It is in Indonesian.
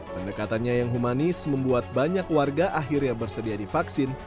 pendekatannya yang humanis membuat banyak warga akhirnya bersedia divaksin